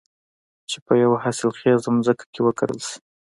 چې په يوه حاصل خېزه ځمکه کې وکرل شي.